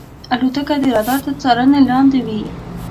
الوتکه د رادار تر څارنې لاندې وي.